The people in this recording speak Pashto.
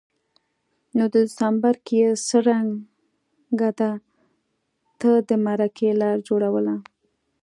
نو دسمبر کي یې څرنګه ده ته د مرکې لار جوړوله